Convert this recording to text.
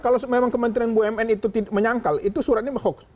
kalau memang kementerian bumn itu menyangkal itu suratnya hoax